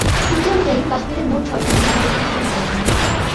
চুক্তি অনুযায়ী কাশ্মীরের মোট ছয়টি নদী দুই দেশের মধ্যে ভাগাভাগি হয়।